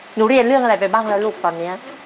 หนูเรียนเรื่องอะไรไปบ้างล่ะลูกตอนเนีย